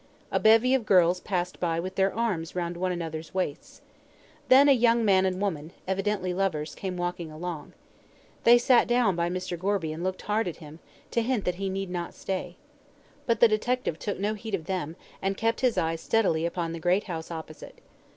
A bevy of girls passed by with their arms round one another's waists. Then a young man and woman, evidently lovers, came walking along. They sat down by Mr. Gorby and looked hard at him, to hint that he need not stay. But the detective took no heed of them, and kept his eyes steadily upon the great house opposite.